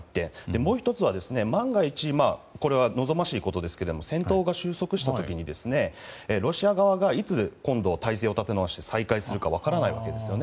もう１つは、万が一望ましいことですけども戦闘が終息した時にロシア側が、いつ今度、体勢を立て直して再生するかは分からないわけですよね。